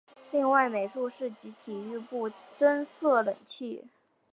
另外美术室及体育部增设冷气。